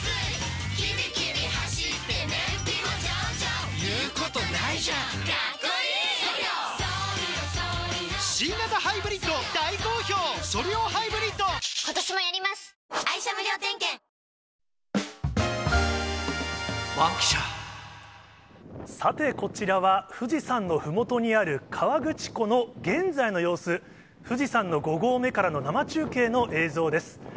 霊媒師になるっていうのは、さて、こちらは富士山のふもとにある河口湖の現在の様子、富士山の５合目からの生中継の映像です。